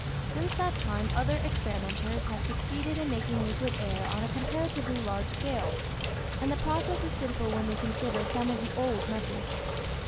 Since that time other experimenters have succeeded in making liquid air on a comparatively large scale, and the process is simple when we consider some of the old methods.